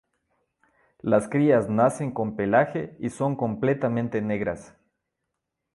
Las crías nacen con pelaje y son completamente negras.